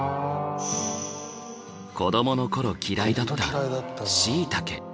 子どもの頃嫌いだったシイタケ。